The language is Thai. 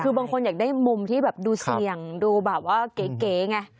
คือบางคนอยากได้มุมที่แบบดูเสี่ยงดูแบบว่าเก๋ไง